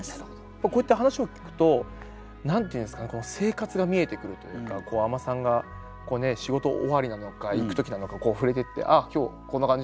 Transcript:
こうやって話を聞くと何て言うんですか生活が見えてくるというか海女さんが仕事終わりなのか行く時なのかこう触れていって「ああ今日こんな感じね」みたいな。